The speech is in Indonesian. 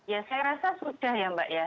ya saya rasa sudah ya mbak ya